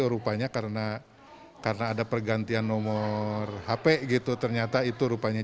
oh rupanya karena ada pergantian nomor hp ternyata itu rupanya